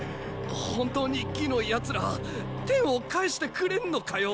本当に魏の奴ら貂を返してくれんのかよ。